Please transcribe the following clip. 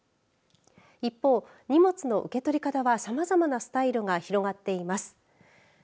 一方、荷物の受け取り方はさまざまなスタイルが広がっています。